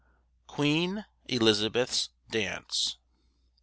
] QUEEN ELIZABETH'S DANCE.